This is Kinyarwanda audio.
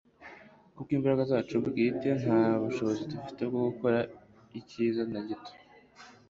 Kubw'imbaraga zacu bwite nta bushobozi dufite bwo gukora icyiza na gito,